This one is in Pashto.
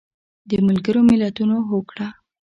د ملګرو ملتونو هوکړه